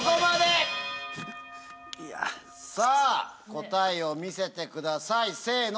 答えを見せてくださいせの！